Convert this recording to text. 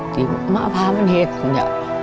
จะมะภะมันเห็น